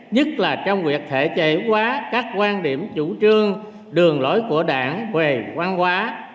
nhất là trong việc thể chế quá các quan điểm chủ trương đường lối của đảng về văn hóa